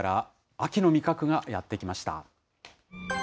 秋の味覚がやって来ました。